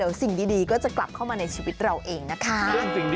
เดี๋ยวสิ่งดีก็จะกลับเข้ามาในชีวิตเราเองนะคะ